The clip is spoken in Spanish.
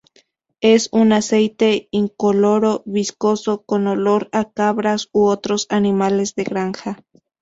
Es un aceite incoloro, viscoso, con olor a cabras u otros animales de granja.